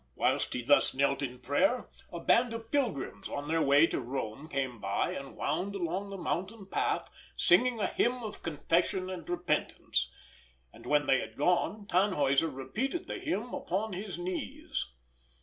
Whilst he thus knelt in prayer, a band of pilgrims on their way to Rome came by, and wound along the mountain path, singing a hymn of confession and repentance; and when they had gone, Tannhäuser repeated the hymn upon his knees.